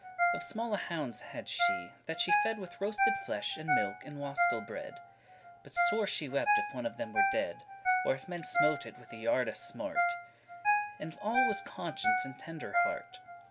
Of smalle houndes had she, that she fed With roasted flesh, and milk, and *wastel bread.* *finest white bread* But sore she wept if one of them were dead, Or if men smote it with a yarde* smart: *staff And all was conscience and tender heart.